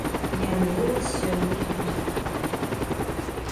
Яны ў нас сёння ёсць.